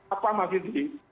apa masih di